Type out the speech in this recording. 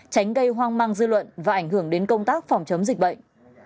tránh gây hoang mang dư luận và ảnh hưởng đến công tác phòng chống dịch bệnh